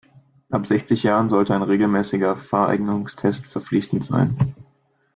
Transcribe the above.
Ab sechzig Jahren sollte ein regelmäßiger Fahreignungstest verpflichtend sein.